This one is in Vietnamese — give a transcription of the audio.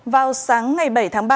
vào sáng ngày bảy tháng ba